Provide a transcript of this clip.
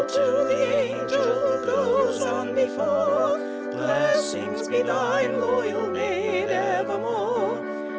_ Hail to the an gel who goes on be fore, Blessings be thine, loyal maid, ev er more!